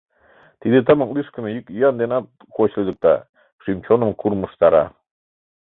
Тиде тымык лӱшкымӧ йӱк-йӱан денат коч лӱдыкта, шӱм-чоным курмыштара.